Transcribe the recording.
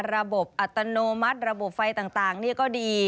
อัตโนมัติระบบไฟต่างนี่ก็ดี